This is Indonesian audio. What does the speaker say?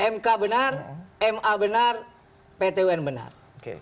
mk benar ma benar ptwn benar